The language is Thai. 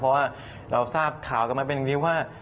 เพราะว่าเราทราบข่าวกันมาเป็นอย่างนี้ว่า